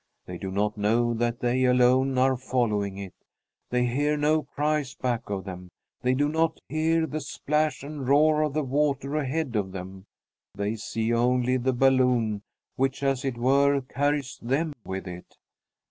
They do not know that they alone are following it. They hear no cries back of them. They do not hear the splash and roar of the water ahead of them. They see only the balloon, which as it were carries them with it.